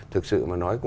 thực sự mà nói